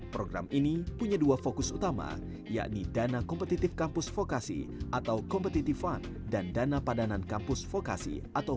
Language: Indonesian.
program ini punya dua fokus utama yakni dana kompetitif kampus vokasi atau competitive fund dan dana padanan kampus vokasi